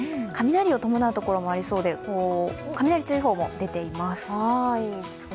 雷を伴うところもありそうで雷注意報も出ています。